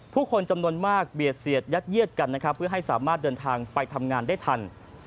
ผู้คนจำนวนมากเบียดเสียดยัดเยียดกันนะครับเพื่อให้สามารถเดินทางไปทำงานได้ทัน